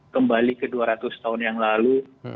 kembali ke dua ratus tahun yang lalu